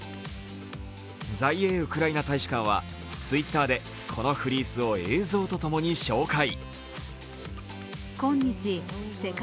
在英ウクライナ大使館はＴｗｉｔｔｅｒでこのフリースを映像とともに紹介。